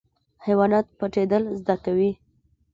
حیوانات پټیدل زده کوي